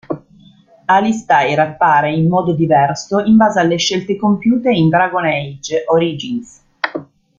Alistair appare in modo diverso in base alle scelte compiute in "Dragon Age: Origins".